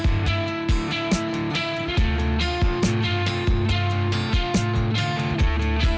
walau keluar enggak bisarelang